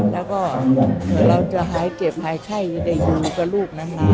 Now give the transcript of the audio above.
แล้วก็เผื่อเราจะหายเจ็บหายไข้จะได้อยู่กับลูกนาน